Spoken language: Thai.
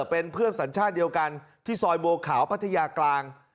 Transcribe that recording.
เป็นเพื่อนสัญชาติเดียวกันที่ซอยบัวขาวพัทยากลาง